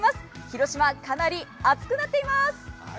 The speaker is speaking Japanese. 広島はかなり暑くなっています。